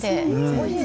おいしい。